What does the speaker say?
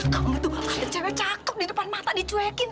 kamu tuh ada cewek cakep di depan mata dicuekin